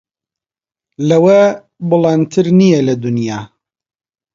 لەوە بوڵەندتر نییە لە دونیا